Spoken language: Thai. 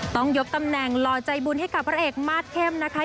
ต้องยกตำแหน่งหล่อใจบุญให้กับพระเอกมาสเข้มนะคะ